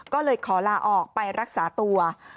ก็เลยขอลาออกไปรักษาตัว